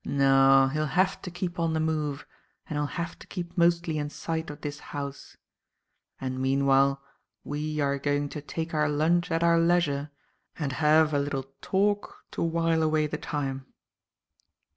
No; he'll have to keep on the move and he'll have to keep mostly in sight of this house. And meanwhile we are going to take our lunch at our leisure and have a little talk to while away the time."